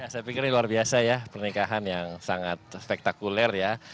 saya pikir ini luar biasa ya pernikahan yang sangat spektakuler ya